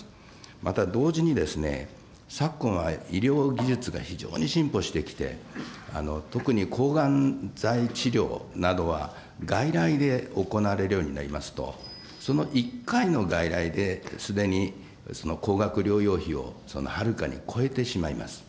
また同時に、昨今は医療技術が非常に進歩してきて、特に抗がん剤治療などは外来で行われるようになりますと、その１回の外来ですでに高額療養費をはるかに超えてしまいます。